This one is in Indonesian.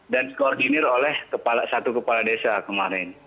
dan koordinir oleh satu kepala desa kemarin